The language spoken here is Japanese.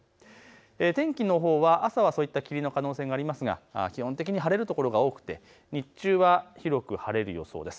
天気のほうは霧の可能性がありますが基本的に晴れる所が多くて日中は広く晴れる予想です。